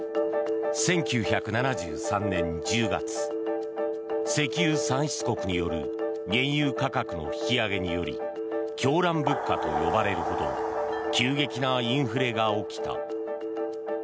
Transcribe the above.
１９７３年１０月石油産出国による原油価格の引き下げにより狂乱物価と呼ばれるほど急激なインフレが起きた。